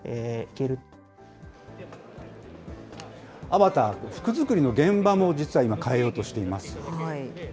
アバターで服作りの現場も、実は今、変えようとしています。